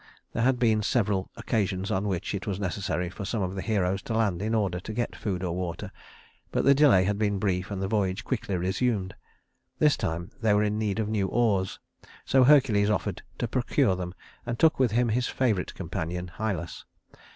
There had been several occasions on which it was necessary for some of the heroes to land in order to get food or water, but the delay had been brief and the voyage quickly resumed. This time they were in need of new oars, so Hercules offered to procure them, and took with him his favorite companion Hylas.